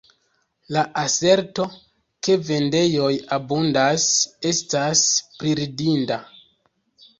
La aserto, ke vendejoj abundas, estas priridinda.